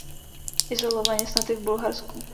Izolovaně snad i v Bulharsku.